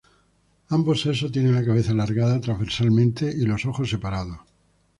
Ambos sexos tienen la cabeza alargada transversalmente y los ojos separados.